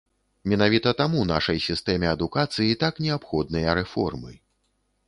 Менавіта таму нашай сістэме адукацыі так неабходныя рэформы.